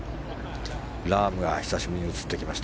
ラームが久しぶりに映ってきた。